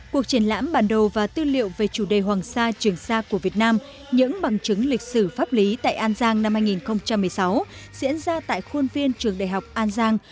cuộc triển lãm bản đồ và tư liệu về chủ đề hoàng sa trường sa của việt nam những bằng chứng lịch sử pháp lý tại an giang năm hai nghìn một mươi sáu diễn ra tại khuôn viên trường đại học an giang